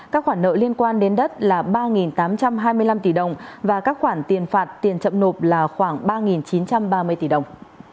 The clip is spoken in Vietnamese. các khoản nợ liên quan đến đất là ba tám trăm hai mươi năm tỷ đồng và các khoản tiền phạt tiền chậm nộp là khoảng ba chín trăm ba mươi tỷ đồng